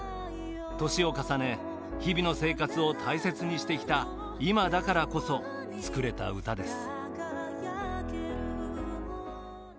年を重ね日々の生活を大切にしてきた今だからこそ作れた歌です。